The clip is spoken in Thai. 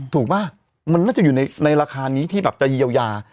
ป่ะมันน่าจะอยู่ในราคานี้ที่แบบจะเยียวยา